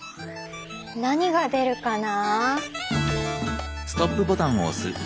何が出るかな。